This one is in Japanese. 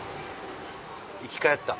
生き返った。